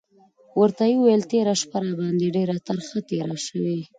ورته یې وویل: تېره شپه راباندې ډېره ترخه تېره شوې.